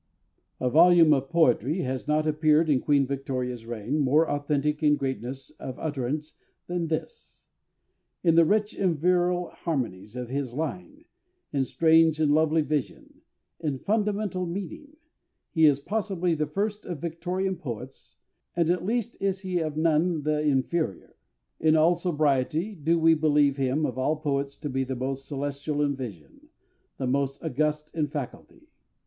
_ A volume of poetry has not appeared in QUEEN VICTORIA'S reign more authentic in greatness of utterance than this. In the rich and virile harmonies of his line, in strange and lovely vision, in fundamental meaning, he is possibly the first of Victorian poets, and at least is he of none the inferior.... In all sobriety do we believe him of all poets to be the most celestial in vision, the most august in faculty....